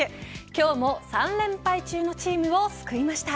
今日も３連敗中のチームを救いました。